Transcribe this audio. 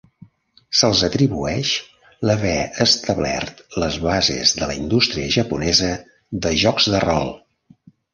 Se'ls atribueix l'haver establert les bases de la indústria japonesa de jocs de rol.